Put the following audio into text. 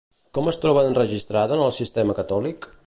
Com es troba enregistrada en el sistema catòlic?